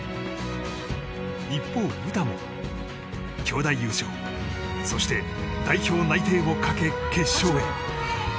一方、詩も兄妹優勝そして、代表内定をかけ決勝へ。